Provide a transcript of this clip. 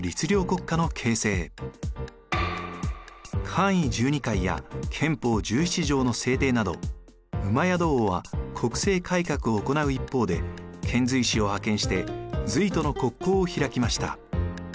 冠位十二階や憲法十七条の制定など戸王は国政改革を行う一方で遣隋使を派遣して隋との国交を開きました。